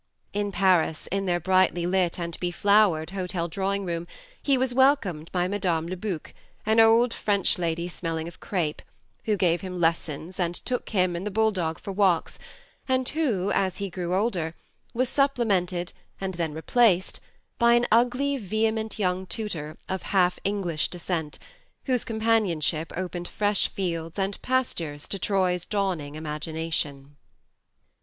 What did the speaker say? In Paris, in their brightly lit and beflowered hotel drawing room, he was welcomed by Madame Lebuc, an old French lady smelling of crape, who gave him lessons and took him and the bull dog for walks, and who, as he grew older, was supplemented, and then replaced, by an ugly vehement young tutor, of half English descent, whose companionship opened fresh fields and pastures to Troy's dawning imagination.